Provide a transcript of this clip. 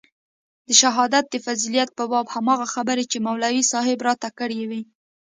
د شهادت د فضيلت په باب هماغه خبرې چې مولوي صاحب راته کړې وې.